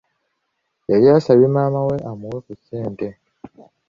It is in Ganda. Yali asabye maama we amuwe ku ssente.